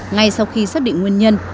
ngay sau khi xác định nguyên nhân